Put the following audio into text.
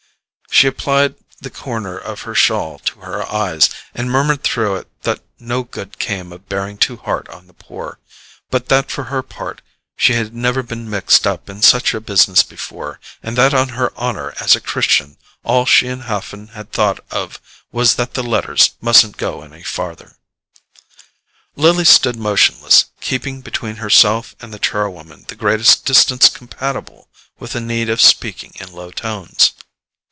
She applied the corner of her shawl to her eyes, and murmured through it that no good came of bearing too hard on the poor, but that for her part she had never been mixed up in such a business before, and that on her honour as a Christian all she and Haffen had thought of was that the letters mustn't go any farther. Lily stood motionless, keeping between herself and the char woman the greatest distance compatible with the need of speaking in low tones.